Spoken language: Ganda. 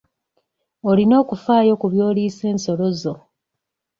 Olina okufaayo ku by'oliisa ensolo zo.